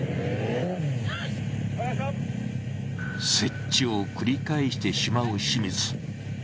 接地を繰り返してしまう清水。